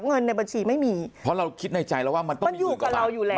เงินในบัญชีไม่มีเพราะเราคิดในใจแล้วว่ามันต้องอยู่กับเราอยู่แล้ว